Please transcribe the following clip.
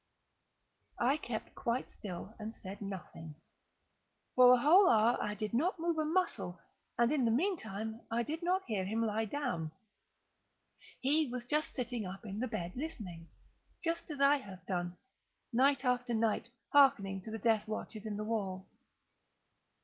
I kept quite still and said nothing. For a whole hour I did not move a muscle, and in the meantime I did not hear him lie down. He was still sitting up in the bed listening;—just as I have done, night after night, hearkening to the death watches in the wall.